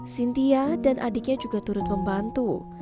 cynthia dan adiknya juga turut membantu